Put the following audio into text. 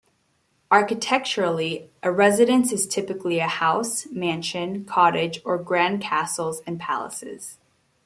Architecturally, a residence is typically a house, mansion, cottage or grand castles and palaces.